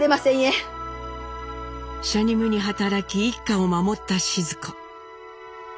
しゃにむに働き一家を守ったシヅ子。